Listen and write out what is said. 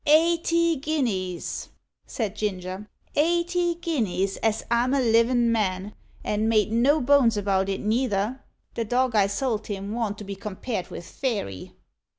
"Eighty guineas," said Ginger. "Eighty guineas, as I'm a livin' man, and made no bones about it neither. The dog I sold him warn't to be compared wi' Fairy."